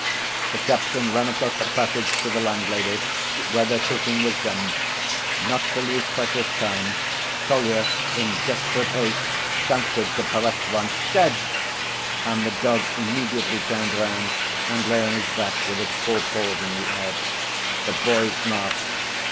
The captain ran across the passage to the landlady, where their cooking was done. Not to lose precious time, Kolya, in desperate haste, shouted to Perezvon, "Dead!" And the dog immediately turned round and lay on his back with its four paws in the air. The boys laughed.